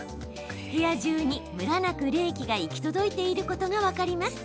部屋中に、ムラなく冷気が行き届いていることが分かります。